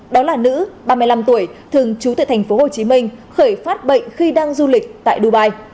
đó là nữ ba mươi năm tuổi thường trú tại tp hcm khởi phát bệnh khi đang du lịch tại dubai